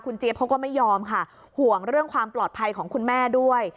เจี๊ยบเขาก็ไม่ยอมค่ะห่วงเรื่องความปลอดภัยของคุณแม่ด้วย